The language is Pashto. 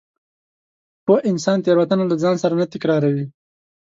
پوه انسان تېروتنه له ځان سره نه تکراروي.